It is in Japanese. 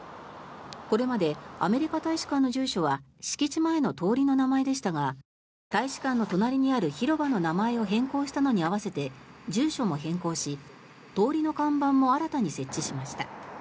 これまでアメリカ大使館の住所は敷地前の通りの名前でしたが大使館の隣にある広場の名前を変更したのに合わせて住所も変更し、通りの看板も新たに設置しました。